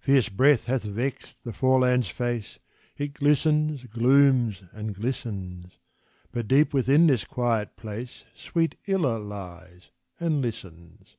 Fierce breath hath vexed the foreland's face, It glistens, glooms, and glistens; But deep within this quiet place Sweet Illa lies and listens.